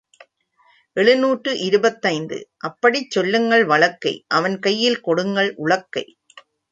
எழுநூற்று இருபத்தைந்து அப்படிச் சொல்லுங்கள் வழக்கை அவன் கையில் கொடுங்கள் உழக்கை.